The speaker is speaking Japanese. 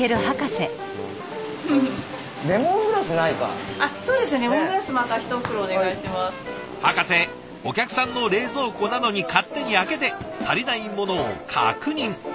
ハカセお客さんの冷蔵庫なのに勝手に開けて足りないものを確認。